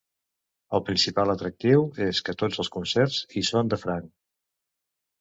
El principal atractiu és que tots els concerts hi són de franc.